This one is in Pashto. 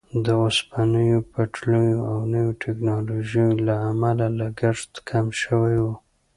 د اوسپنې پټلیو او نویو ټیکنالوژیو له امله لګښت کم شوی وو.